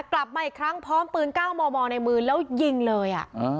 กลับมาอีกครั้งพร้อมปืน๙มมในมือแล้วยิงเลย